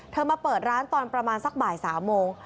มาเปิดร้านตอนประมาณสักบ่าย๓โมง